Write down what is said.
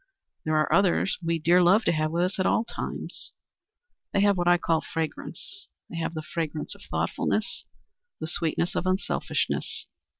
There are others we dear love to have with us at all times. They have what I call fragrance. They have the fragrance of thoughtfulness, the sweetness of unselfishness.